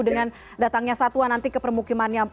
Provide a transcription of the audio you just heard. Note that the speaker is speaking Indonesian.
dengan datangnya satwa nanti ke permukimannya